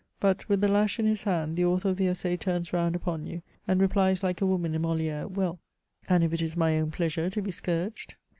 But, with the lash in his hand, the author of the Esaai turns round upon you, and replies like a woman in Moliere, " Well, and if it is my own pleasure to be scourged